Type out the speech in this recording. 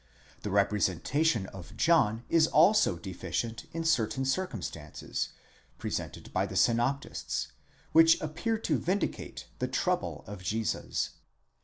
The representation of John is also deficient in certain circumstances, presented by the synoptists, which appear to vindicate the trouble of Jesus.